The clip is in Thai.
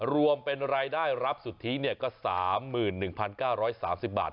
รวมเป็นรายได้รับสุทธิก็๓๑๙๓๐บาท